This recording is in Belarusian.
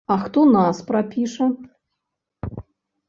А хто нас прапіша?